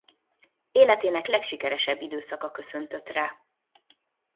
Életének legsikeresebb időszaka köszöntött rá.